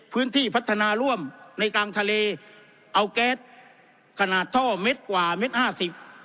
พื้นที่พัฒนาร่วมในกลางทะเลเอาแก๊สขนาดท่อเม็ดกว่าเม็ดห้าสิบ